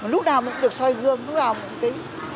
lúc nào cũng được xoay gương lúc nào cũng ký